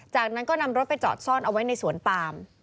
จากนั้นก็นำรถไปจอดซ่อนเอาไว้ในสวนปาม